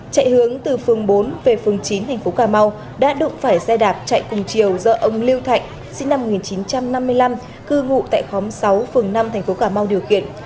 chạy hướng từ phường bốn về phường chín thành phố cà mau đã đụng phải xe đạp chạy cùng chiều do ông lưu thạnh sinh năm một nghìn chín trăm năm mươi năm cư ngụ tại khóm sáu phường năm thành phố cà mau điều khiển